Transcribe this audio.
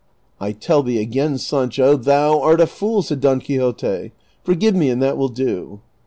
" I tell thee again, Sancho, thou art a fool," said Don Quixote ;" forgive me, and that will do."